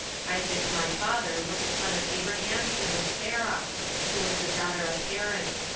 Isaac my father was the son of Abraham and of Sarah, who was the daughter of Haran.